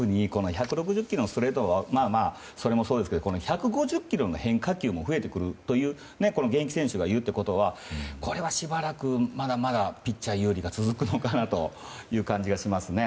１６０キロのストレートもそうですけど１５０キロの変化球も増えてくるという現役選手がいるということはこれはしばらくまだまだピッチャー優位が続くのかなという感じがしますね。